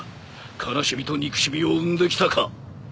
悲しみと憎しみを生んできたか？